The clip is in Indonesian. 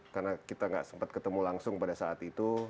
karena kita nggak sempat ketemu langsung pada saat itu